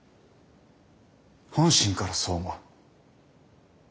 本心からそう思う。